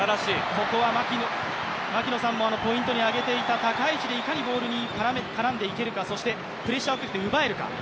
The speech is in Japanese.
ここは槙野さんもポイントに挙げていた高い位置でいかにボールに絡んでいけるかプレッシャーをかけて奪っていけるか。